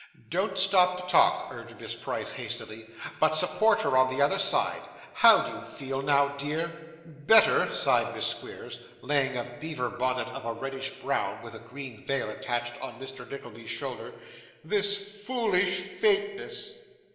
'Don't stop to talk,' urged Miss Price, hastily; 'but support her on the other side. How do you feel now, dear?' 'Better,' sighed Miss Squeers, laying a beaver bonnet of a reddish brown with a green veil attached, on Mr. Nickleby's shoulder. 'This foolish faintness!